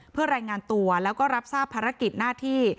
เพื่อรายงานตัวแล้วก็รับทราบภารกิจหน้าที่